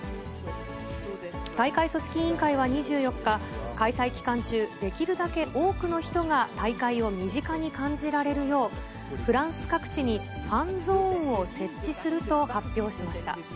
大会組織委員会は２４日、開催期間中、できるだけ多くの人が大会を身近に感じられるよう、フランス各地にファンゾーンを設置すると発表しました。